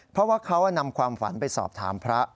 เพราะว่าเขานำความฝันไปสอบถามพระ